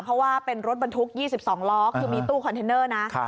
เพราะว่าเป็นรถบรรทุก๒๒ล้อคือมีตู้คอนเทนเนอร์นะ